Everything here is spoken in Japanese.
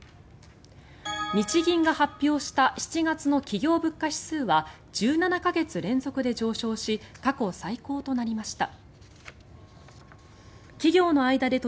日銀が発表した７月の企業物価指数は１７か月連続で上昇し過去最高となりました。